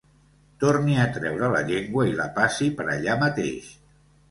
Torni a treure la llengua i la passi per allà mateix.